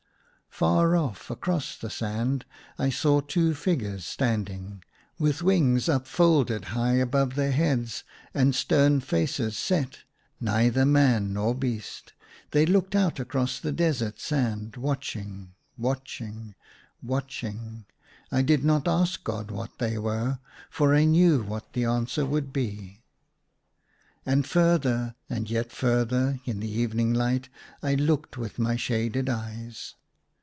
Far off, across the sand, I saw two figures standing. With wings upfolded high above their heads, and stern faces set, neither man nor beast, they looked out across the desert sand, watching, watching, watching ! I did not ask God what they were, for I knew what the answer would be. And, further and yet further, in the evening light, I looked with my shaded eyes.